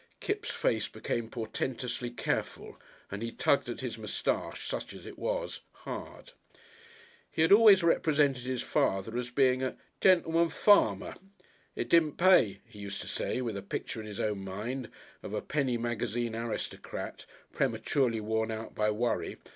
Kipps' face became portentously careful and he tugged at his moustache, such as it was, hard. He had always represented his father as being a "gentleman farmer." "It didn't pay," he used to say with a picture in his own mind of a penny magazine aristocrat prematurely worn out by worry.